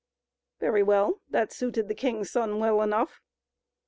Very well ; that suited the king's son well enough.